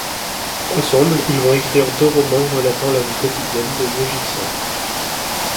Ensemble, ils vont écrire deux romans relatant la vie quotidienne des Égyptiens.